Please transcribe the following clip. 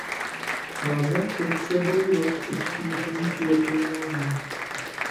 Máme před sebou rok obtížných jednání.